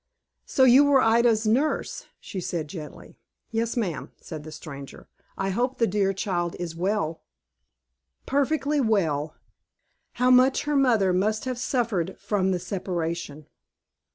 "So you were Ida's nurse," she said, gently. "Yes, ma'am," said the stranger. "I hope the dear child is well." "Perfectly well. How much her mother must have suffered from the separation!"